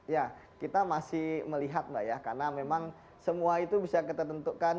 ya kita masih melihat mbak ya karena memang semua itu bisa kita tentukan